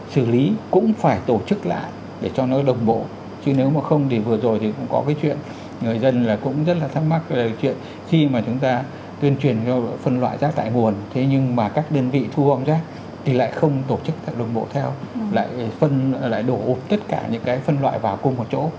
thu gói xử lý cũng phải tổ chức lại để cho nó đồng bộ chứ nếu mà không thì vừa rồi thì cũng có cái chuyện người dân là cũng rất là thắc mắc là cái chuyện khi mà chúng ta tuyên truyền cho phân loại giác tại nguồn thế nhưng mà các đơn vị thu gói giác thì lại không tổ chức lại đồng bộ theo lại đổ tất cả những cái phân loại vào cùng một chỗ